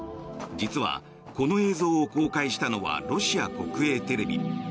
実はこの映像を公開したのはロシア国営テレビ。